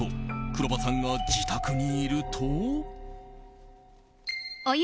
黒羽さんが自宅にいると。